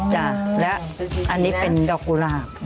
จ้ะและอันนี้เป็นดอกกุหลาบ